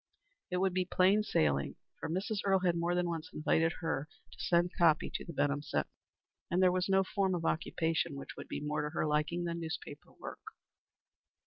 It would be plain sailing, for Mrs. Earle had more than once invited her to send copy to the Benham Sentinel, and there was no form of occupation which would be more to her liking than newspaper work.